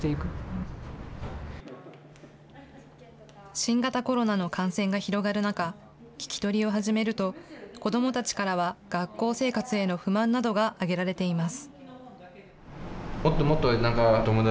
新型コロナの感染が広がる中、聞き取りを始めると、子どもたちからは学校生活への不満などが挙げられています。